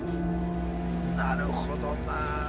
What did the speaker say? なるほどな。